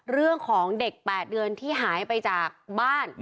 เรื่องของเด็ก๘เดือนที่หายไปจากบ้าน